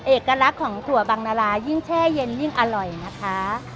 เอกลักษณ์ของถั่วบังนารายิ่งแช่เย็นยิ่งอร่อยนะคะ